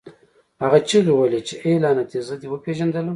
هغه چیغې وهلې چې اې لعنتي زه دې وپېژندلم